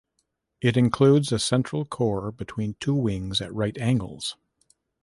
It includes a central core between two wings at right angles.